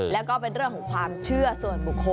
แล้วก็เป็นเรื่องของความเชื่อส่วนบุคคล